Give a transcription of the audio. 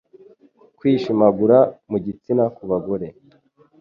kwishimagura mu gitsina ku bagore